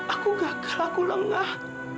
aku gagal aku lengah